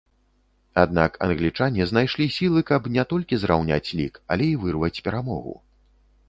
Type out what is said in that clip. Аднак англічане знайшлі сілы, каб не толькі зраўняць лік, але і вырваць перамогу.